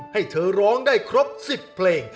ให้เธอร้องได้ครบ๑๐เพลง